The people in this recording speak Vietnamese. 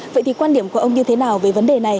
vậy thì quan điểm của ông như thế nào về vấn đề này